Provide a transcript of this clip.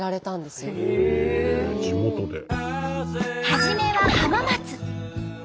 初めは浜松。